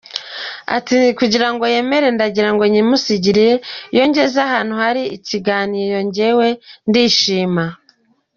Ati “Kugira ngo yemere ndagira ngo nyimusigire, iyo ngeze ahantu hari ikiganiro njyewe ndishima,”.